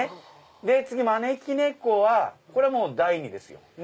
次招き猫は第２ですよ。